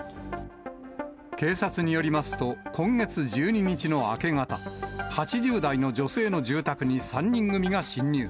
警察によりますと、今月１２日の明け方、８０代の女性の住宅に３人組が侵入。